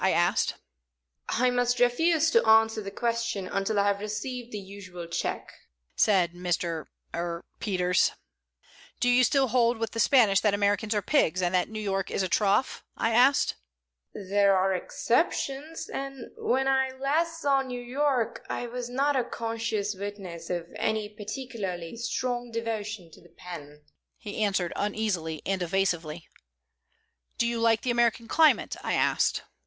I asked. "I must refuse to answer that question until I have received the usual check," said Mr. er Peters. "Do you still hold with the Spanish that Americans are pigs, and that New York is a trough?" I asked. "There are exceptions, and when I last saw New York I was not a conscious witness of any particularly strong devotion to the pen," he answered, uneasily and evasively. "Do you like the American climate?" I asked.